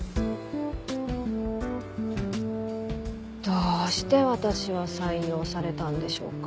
どうして私は採用されたんでしょうか。